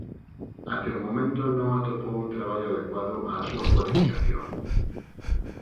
Até o momento non atopou un traballo adecuado á súa cualificación.